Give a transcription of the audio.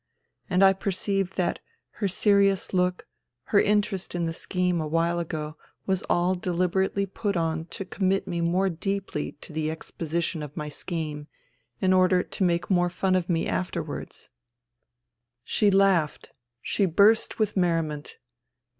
And I perceived that her serious look, her interest in the scheme a while ago, was all deliberately put on to commit me more deeply to the exposition of my scheme in order to make more fun of me afterwards. 70 FUTILITY She laughed. She burst with merriment.